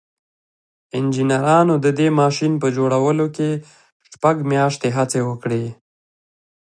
انجنيرانو د دې ماشين په جوړولو کې شپږ مياشتې هڅې وکړې.